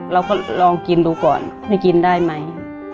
เราก็ลองกินดูก่อนให้กินได้ไหม